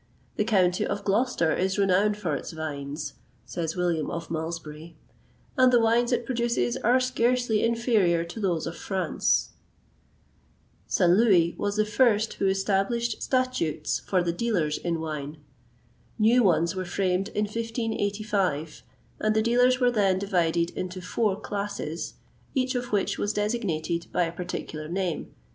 "The county of Gloucester is renowned for its vines," says William of Malmesbury; "and the wines it produces are scarcely inferior to those of France."[XXVIII 162] Saint Louis was the first who established statutes for the dealers in wine.[XXVIII 163] New ones were framed in 1585,[XXVIII 164] and the dealers were then divided into four classes, each of which was designated by a particular name, viz.